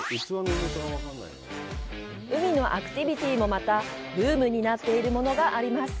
海のアクティビティもまた、ブームになっているものがあります。